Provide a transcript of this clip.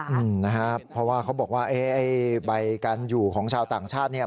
อืมนะฮะเพราะว่าเขาบอกว่าเอ๊ะไอ้ใบการอยู่ของชาวต่างชาติเนี่ย